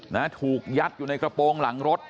นะฮะถูกยัดอยู่ในกระโปรงหลังรถ